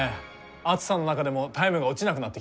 暑さの中でもタイムが落ちなくなってきてる。